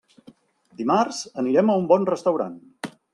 Dimarts anirem a un bon restaurant.